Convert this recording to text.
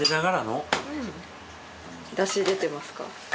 出汁出てますか？